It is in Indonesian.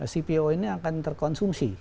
cpo ini akan terkonsumsi